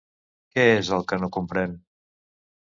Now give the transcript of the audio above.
Què és el que no comprèn?